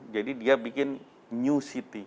jadi dia bikin new city